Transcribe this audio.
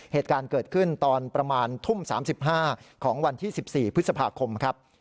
เหตุการณ์เกิดขึ้นตอนประมาณทุ่ม๓๕ของวันที่๑๔พฤษภาคมครับ